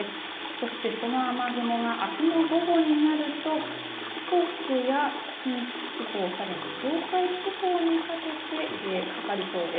そして、その雨雲があすの午後になると四国や近畿地方さらに東海地方にかけてかかりそうです。